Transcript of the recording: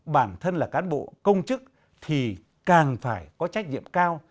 bản thân là cán bộ công chức thì càng phải có trách nhiệm cao